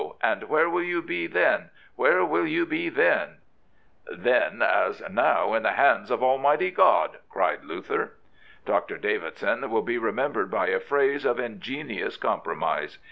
and where will you be then — ^where will you be then ?" Then, as now, in the hands of Almighty God," cried Luther. Dr. Davidson will be remembered by a phrase of ingenious compromise.